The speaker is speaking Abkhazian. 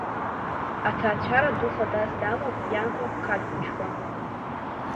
Аҭаацәара ду хадас дамоуп Ианкәа Қацәба.